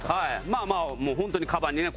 まあまあもう本当にカバンにね